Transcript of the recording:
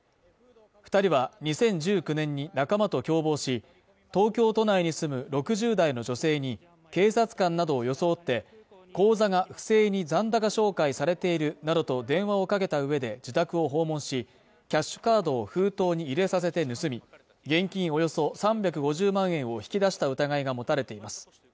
２人は２０１９年に仲間と共謀し、東京都内に住む６０代の女性に警察官などを装って、口座が不正に残高照会されているなどと電話をかけた上で、自宅を訪問し、キャッシュカードを封筒に入れさせて盗み、現金およそ３５０万円を引き出した疑いが持たれています。